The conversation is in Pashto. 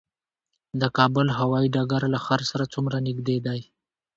د کابل هوايي ډګر له ښار سره څومره نږدې دی؟